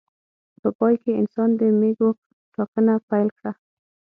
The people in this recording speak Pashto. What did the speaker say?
په پای کې انسان د مېږو ټاکنه پیل کړه.